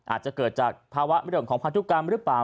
อาจจะเกิดจากภาวะมึงต่อของพาทุกรรมรึป่าม